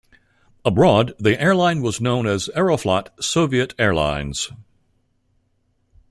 Abroad, the airline was known as Aeroflot Soviet Airlines.